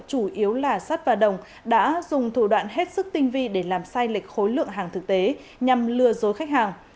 chủ yếu là sắt và đồng đã dùng thủ đoạn hết sức tinh vi để làm sai lệch khối lượng hàng thực tế nhằm lừa dối khách hàng